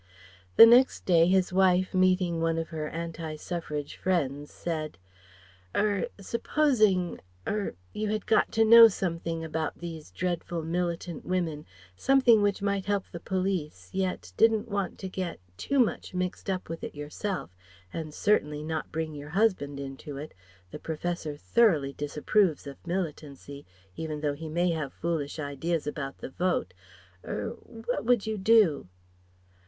The next day his wife meeting one of her Anti Suffrage friends said: "Er supposing er you had got to know something about these dreadful militant women, something which might help the police, yet didn't want to get too much mixed up with it yourself, and certainly not bring your husband into it the Professor thoroughly disapproves of militancy, even though he may have foolish ideas about the Vote er what would you do?"